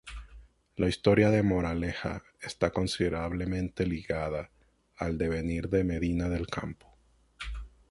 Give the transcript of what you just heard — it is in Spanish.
La historia de Moraleja está considerablemente ligada al devenir de Medina del Campo.